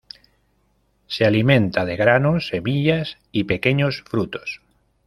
Se alimenta de granos, semillas y pequeños frutos.